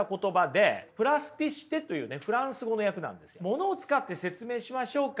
ものを使って説明しましょうか。